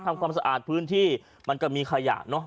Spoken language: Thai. ทำความสะอาดพื้นที่มันก็มีขยะเนอะ